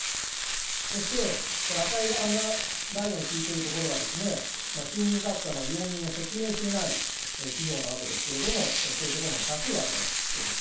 そして、この赤いアンダーラインを引いているところは、賃金格差の要因を説明していない企業なわけですけれども、そういうところも多数あるわけです。